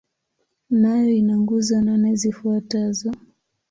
Nayo ina nguzo nane zifuatazo.